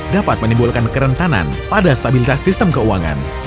dapat menimbulkan kerentanan pada stabilitas sistem keuangan